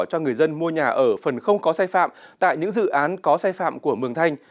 cho người dân mua nhà ở phần không có sai phạm tại những dự án có sai phạm của mường thanh